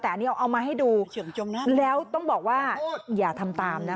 แต่อันนี้เอามาให้ดูแล้วต้องบอกว่าอย่าทำตามนะ